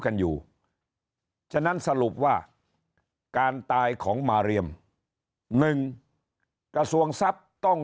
กันอยู่ฉะนั้นสรุปว่าการตายของมาเรียม๑กระทรวงทรัพย์ต้อง